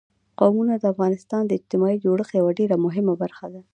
قومونه د افغانستان د اجتماعي جوړښت یوه ډېره مهمه برخه ده.